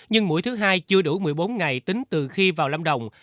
nhưng mũi thứ hai chưa đủ một mươi bốn ngày tính từ khi vào lâm đồng